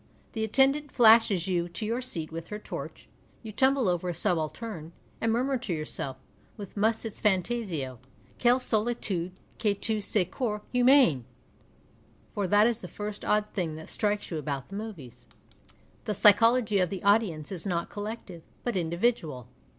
The attendant flashes you to your seat with licr torch, you tumble over a subaltern, and murnuir to yourself, with Musset's Fantasio, " Quelles solitudes que tons ces corps humains !" For that is the first odd thinfj that strikes you about the movies ; the psychology of the audience is not collective, but individual.